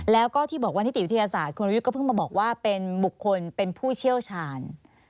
แล้วก็ที่บอกว่านิติวิทยาศาสตร์คุณรยุทธ์ก็เพิ่งมาบอกว่าเป็นบุคคลเป็นผู้เชี่ยวชาญ